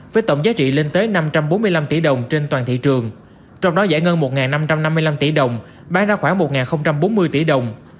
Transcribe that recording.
với tổng giá trị lên tới năm trăm bốn mươi năm tỷ đồng